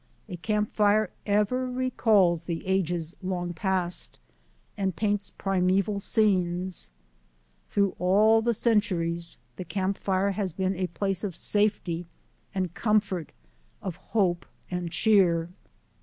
A camp fire ever recalls the ages long past, and paints primeval scenes. Through all the centuries the camp fire has been a place of safety and comfort, of hope and cheer.